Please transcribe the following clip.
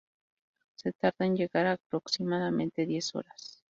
Se tarda en llegar aproximadamente diez horas.